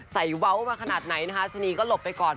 เว้ามาขนาดไหนนะคะชะนีก็หลบไปก่อน